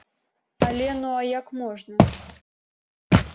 Але ну а як можна?